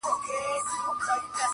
د ورځي سور وي رسوایي وي پکښې